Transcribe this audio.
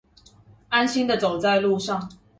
安心的走在路上